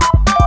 kau mau kemana